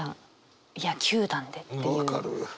分かる。